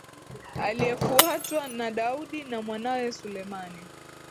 aliyefuatwa na Daudi na mwanae Suleimani